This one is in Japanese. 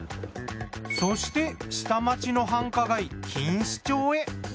そして下町の繁華街錦糸町へ。